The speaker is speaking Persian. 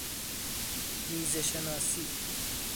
میزه شناسی